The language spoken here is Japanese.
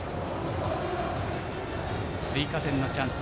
追加点のチャンス